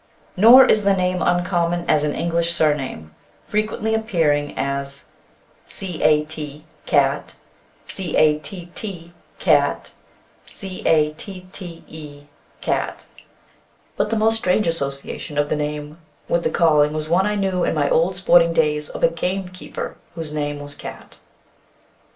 Nor is the name uncommon as an English surname, frequently appearing as Cat, Catt, Catte; but the most strange association of the name with the calling was one I knew in my old sporting days of a gamekeeper whose name was Cat.